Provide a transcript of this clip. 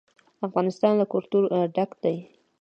افغانستان له کلتور ډک دی.